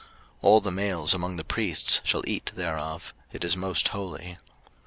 03:006:029 All the males among the priests shall eat thereof: it is most holy.